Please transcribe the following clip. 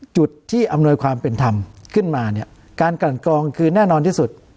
จุดที่อำนวยความเป็นธรรมขึ้นมาเนี่ยการกลั่นกรองคือแน่นอนที่สุด